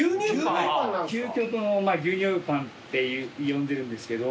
究極の牛乳パンって呼んでるんですけど。